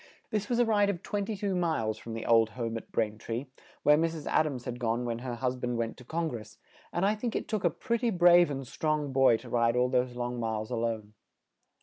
This was a ride of twen ty two miles from the old home at Brain tree, where Mrs. Ad ams had gone when her hus band went to Con gress, and I think it took a pret ty brave and strong boy to ride all those long miles a lone.